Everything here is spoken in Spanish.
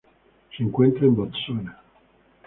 Se encuentra en Botsuana.